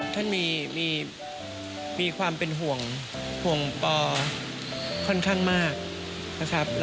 ท่านมีความเป็นห่วงปอค่อนข้างมากนะครับ